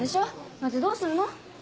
マジどうすんの？